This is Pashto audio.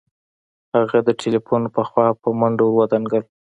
هغه د ټليفون پر خوا په منډه ور ودانګل.